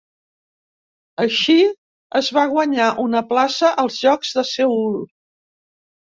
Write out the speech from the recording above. Així, es va guanyar una plaça als Jocs de Seül.